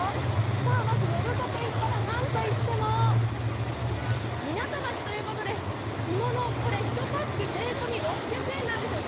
さぁ、まず呼子といったら何といっても港町ということで、干物、１パック税込み６００円なんですよ。